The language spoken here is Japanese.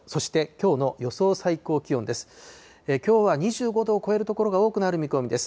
きょうは２５度を超える所が多くなる見込みです。